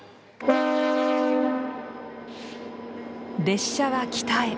列車は北へ。